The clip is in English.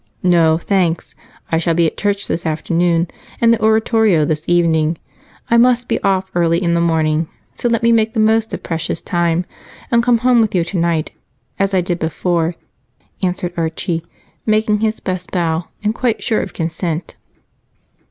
"No, thanks. I shall be at church this afternoon, and the oratorio this evening. I must be off early in the morning, so let me make the most of precious time and come home with you tonight as I did before," answered Archie, making his best bow, and quite sure of consent.